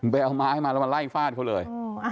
ไปเอาไม้มาแล้วมาไล่ฟาดเขาเลย